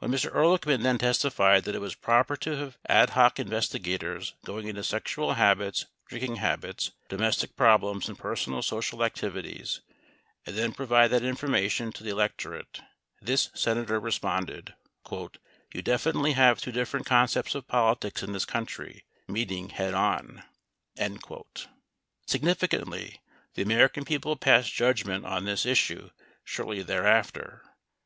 'When Mr. Ehrlichman then testified that it was proper to have ad hoc investigators going into sexual habits, drinking habits, domestic problems, and personal social activities and then provide that infor mation to the electorate, this Senator responded, "You definitely have two different concepts of politics in this country meeting head on." 27 Significantly, the American people passed judgment on this is sue shortly thereafter.